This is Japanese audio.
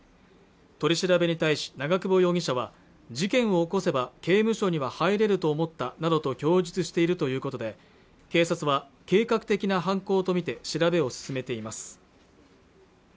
取り調べに対し長久保容疑者は事件を起こせば刑務所には入れると思ったなどと供述しているということで警察は計画的な犯行とみて調べを進めています